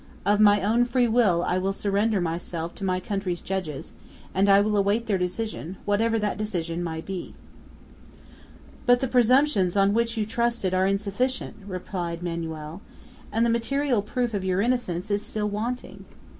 Of my own free will I surrendered myself to my country's judges, and I will await their decision, whatever that decision may be!" "But the presumptions on which you trusted are insufficient," replied Manoel, "and the material proof of your innocence is still wanting!